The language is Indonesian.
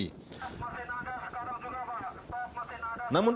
namun kapal bc enam ribu satu tidak berhenti